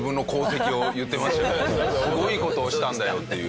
すごい事をしたんだよっていう。